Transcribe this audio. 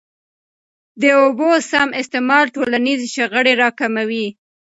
د اوبو سم استعمال ټولنیزي شخړي را کموي.